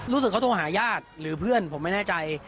รู้สึกเขาโทรหาญาติหรือเพื่อนผมไม่แน่ใจ